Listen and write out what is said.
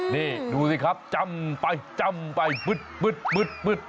นี่ดูสิครับจำไปปึ๊ด